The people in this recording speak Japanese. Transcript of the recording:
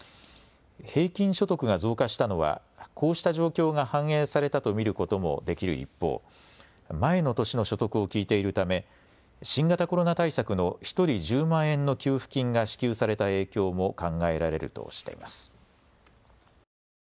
平均所得が増加したのはこうした状況が反映されたと見ることもできる一方、前の年の所得を聞いているため新型コロナ対策の１人１０万円の給付金が支給された影響も考えられるとしています。